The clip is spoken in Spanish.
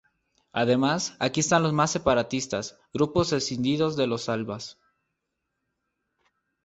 Además, aquí están los más separatistas, grupos escindidos de los Albas.